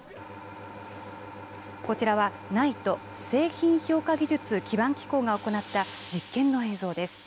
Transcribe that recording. こちらはＮＩＴＥ製品協会技術基盤機構が行った実権の映像です。